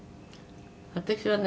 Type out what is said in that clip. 私はね